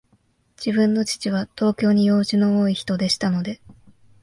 自分の父は、東京に用事の多いひとでしたので、